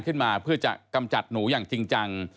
ขึ้นมาเพื่อจะกำจัดหนูอย่างจริงจัง